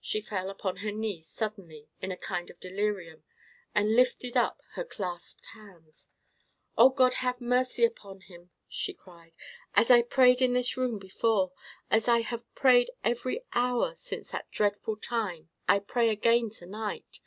She fell upon her knees, suddenly, in a kind of delirium, and lifted up her clasped hands. "O God, have mercy upon him!" she cried. "As I prayed in this room before—as I have prayed every hour since that dreadful time—I pray again to night.